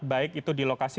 baik itu di lokasi